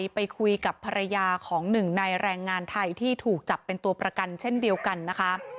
ไปคุยกับภรรยาของหนึ่งในแรงงานไทยที่ถูกจับเป็นตัวประกันเช่นเดียวกันนะคะ